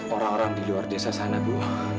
orang orang di luar desa sana bu